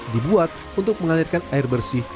dibuat untuk mengalirkan air bersih